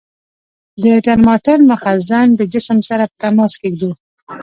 د ترمامتر مخزن د جسم سره په تماس کې ږدو.